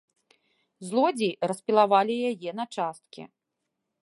Злодзеі распілавалі яе на часткі.